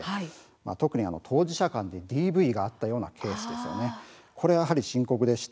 特に当事者間でＤＶがあったようなケース、これは深刻です。